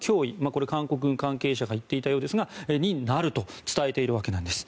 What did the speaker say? これ、韓国軍関係者が言っていたようですがそれになると伝えているようなんです。